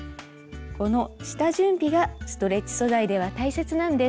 この下準備がストレッチ素材では大切なんです。